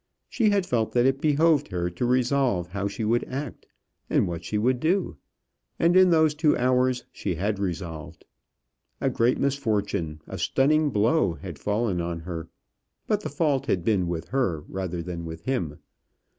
She had felt that it behoved her to resolve how she would act, and what she would do; and in those two hours she had resolved. A great misfortune, a stunning blow had fallen on her; but the fault had been with her rather than with him.